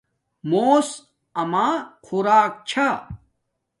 موس اما خوراک چھا